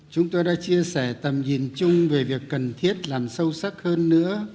chúng tôi đã chia sẻ tầm nhìn chung về việc cần thiết làm sâu sắc hơn nữa